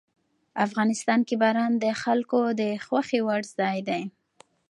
افغانستان کې باران د خلکو د خوښې وړ ځای دی.